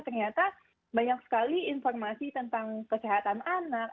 ternyata banyak sekali informasi tentang kesehatan anak